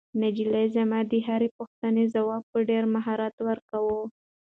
نجلۍ زما د هرې پوښتنې ځواب په ډېر مهارت ورکاوه.